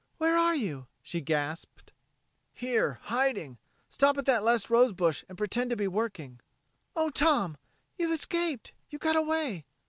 "Where are you?" she gasped. "Here hiding. Stop at that last rose bush and pretend to be working." "Oh, Tom you escaped! You got away!"